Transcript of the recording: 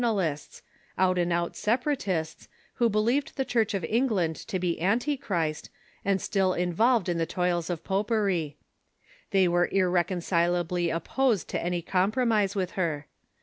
ali^ts, out and out Sepa ratists, who believed tlie Churcli of England to be Antichrist, and still involved in the toils of popery. They were irrecon cilably opposed to any compromise with her.